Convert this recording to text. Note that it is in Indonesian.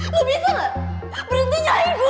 lu bisa gak berhenti nyahirin gua